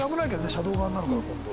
車道側になるから今度。